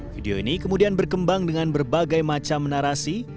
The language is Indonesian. video ini kemudian berkembang dengan berbagai macam narasi